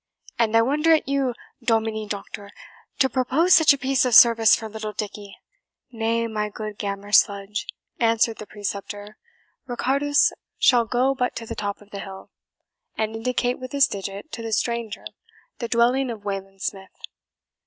And I wonder at you, Dominie Doctor, to propose such a piece of service for little Dickie." "Nay, my good Gammer Sludge," answered the preceptor, "Ricardus shall go but to the top of the hill, and indicate with his digit to the stranger the dwelling of Wayland Smith.